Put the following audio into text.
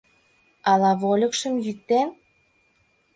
Ала вольыкшым йӱктен?